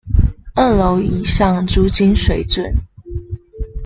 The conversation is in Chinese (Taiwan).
二樓以上租金水準